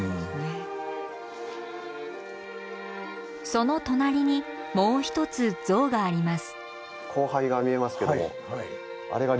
その隣にもう一つ像があります。